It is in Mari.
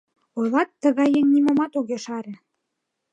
Ойлат, тыгай еҥ нимомат огеш аре